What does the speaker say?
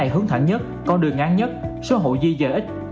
hướng thẳng nhất con đường ngắn nhất số hộ di dời ít